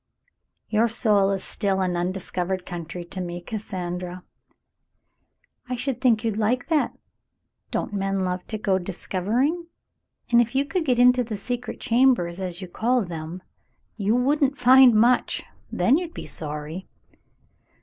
'* "Your soul is still an undiscovered country to me, Cassandra." *'I should think you'd like that. Don't men love to go discovering ? And if you could get into the secret chambers, as you call them, you wouldn't find much. Then you'd be sorry."